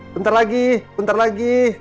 bentar lagi bentar lagi